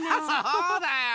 そうだよ！